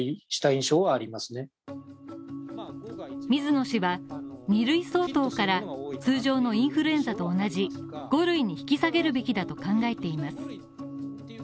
水野氏は２類相当から通常のインフルエンザと同じ５類に引き下げるべきだと考えています